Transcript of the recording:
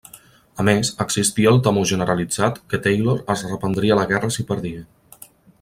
A més, existia el temor generalitzat que Taylor es reprendria la guerra si perdia.